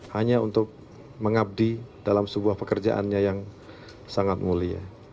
hanya untuk mengabdi dalam sebuah pekerjaannya yang sangat mulia